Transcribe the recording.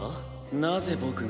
なぜ僕が？